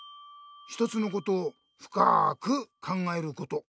一つのことをふかく考えること。